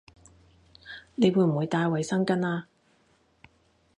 你會唔會帶埋衛生巾吖